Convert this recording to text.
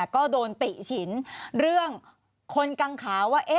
ก็โดนติฉินเรื่องคนกังขาว่า